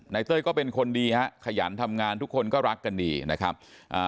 เต้ยก็เป็นคนดีฮะขยันทำงานทุกคนก็รักกันดีนะครับอ่า